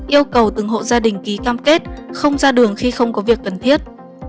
yêu cầu từng hộ gia đình ký cam kết không ra đường khi không có việc cần thiết